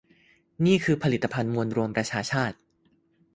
นี่คือผลิตภัณฑ์มวลรวมประชาชาติ